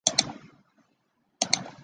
维利耶尔莱普雷。